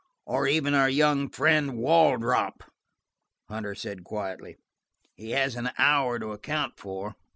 "Or even our young friend, Wardrop," Hunter said quietly. "He has an hour to account for.